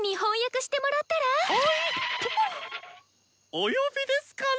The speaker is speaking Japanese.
お呼びですかな。